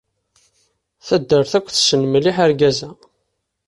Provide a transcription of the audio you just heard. Taddart akk tessen mliḥ argaz-a.